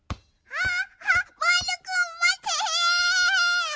あっ！